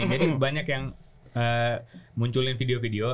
banyak yang munculin video video